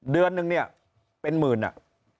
เดือนนึงเนี่ยเป็นหมื่นอ่ะ